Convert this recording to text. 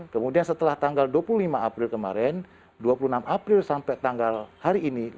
kemudian setelah tanggal dua puluh lima april kemarin dua puluh enam april sampai tanggal hari ini lima mei dua ribu dua puluh satu